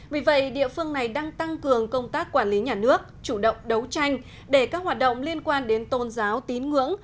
vì vậy địa phương này đang tăng cường công tác quản lý nhà nước chủ động đấu tranh để các hoạt động liên quan đến tôn giáo tín ngưỡng